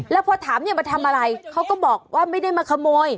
แล้วพอถามเนี่ยมาทำอะไรเขาก็บอกว่าไม่ได้มาขโมย